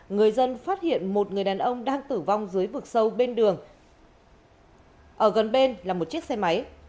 người dân phát hiện một người đàn ông đang tử vong dưới vực sâu bên đường ở gần bên là một chiếc xe máy